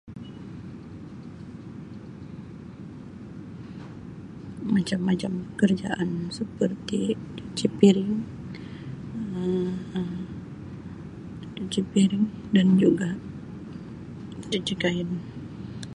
Macam-macam pekerjaan seperti cuci piring Um cuci piring dan juga cuci kain.